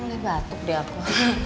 mulai batuk deh aku